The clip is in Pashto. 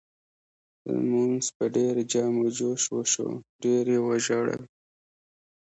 لمونځ په ډېر جم و جوش وشو ډېر یې وژړل.